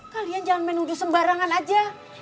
kalian jangan main nundu sembarangan aja